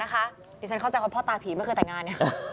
ดิฉันเข้าใจว่าพ่อตาผีไม่เคยแต่งงาน